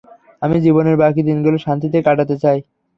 আমি জীবনের বাকি দিনগুলো শান্তিতে কাটাতে চাই।